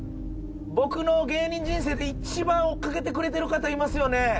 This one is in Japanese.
僕の芸人人生で一番追っかけてくれてる方いますよね？